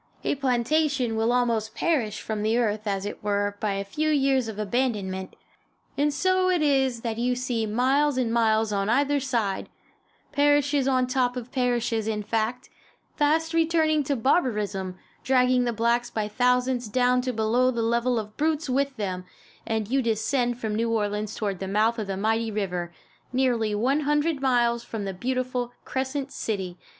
A plantation will almost perish from the earth, as it were, by a few years of abandonment. And so it is that you see miles and miles on either side parishes on top of parishes, in fact fast returning to barbarism, dragging the blacks by thousands down to below the level of brutes with them, as you descend from New Orleans toward the mouth of the mighty river, nearly one hundred miles from the beautiful "Crescent City."